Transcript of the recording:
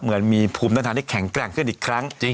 เหมือนมีภูมิต้านทานที่แข็งแกร่งขึ้นอีกครั้ง